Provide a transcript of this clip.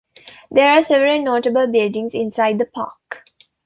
There are several notable buildings inside the park.